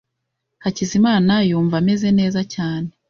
Hakizimana yumva ameze neza cyane.